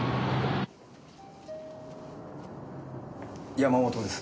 山本です。